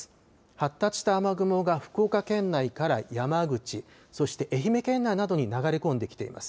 発達した雨雲が福岡県内から山口そして愛媛県内などに流れ込んできています。